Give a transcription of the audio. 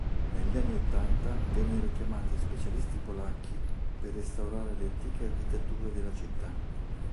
Negli anni ottanta vennero chiamati specialisti polacchi per restaurare le antiche architetture della città.